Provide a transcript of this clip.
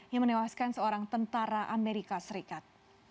yang menewaskan seorang tentara amerika serikat